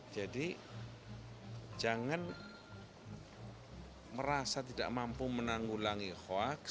jadi jangan merasa tidak mampu menanggulangi hoax